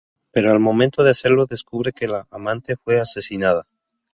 Pero al momento de hacerlo descubre que la amante fue asesinada.